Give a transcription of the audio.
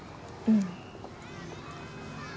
うん。